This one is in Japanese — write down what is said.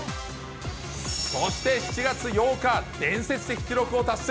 そして７月８日、伝説的記録を達成。